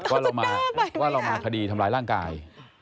ว่าเรามาคดีทำร้ายร่างกาย